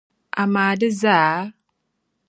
amaa di zaa?